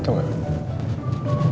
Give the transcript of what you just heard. kamu hari ini ada lupa sesuatu gak